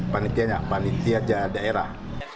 panitia ya panitia daerah